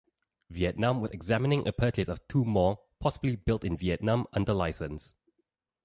Vietnam was examining a purchase of two more, possibly built in Vietnam under license.